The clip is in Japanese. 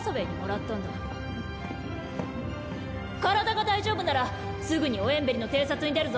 体が大丈夫ならすぐにオエンベリの偵察に出るぞ。